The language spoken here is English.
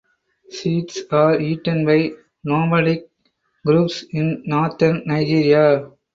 Seeds are eaten by nomadic groups in Northern Nigeria.